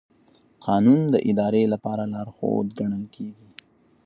قانون د ادارې لپاره لارښود ګڼل کېږي.